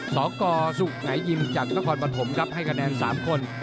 สกสุกหายิมจากนครปฐมครับให้คะแนน๓คน